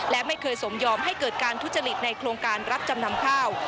และไม่เคยสมยอมให้เกิดการทุจริตในโครงการรับจำนำข้าว